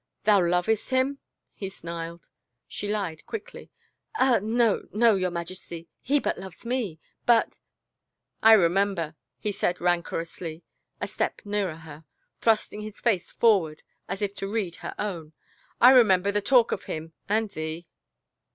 " Thou lovest him ?" he snarled. She lied, quickly, " Ah, no — no, your Majesty. He but loves me! But —"" I remember," he said rancorously, a step nearer her, thrusting his face forward as if to read her own, " I remember the talk of him and thee."